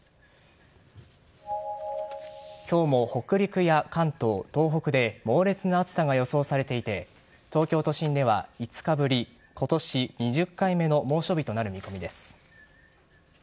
今日も北陸や関東、東北で猛烈な暑さが予想されていて東京都心では５日ぶり今年２０回目の猛暑日となる見込みです。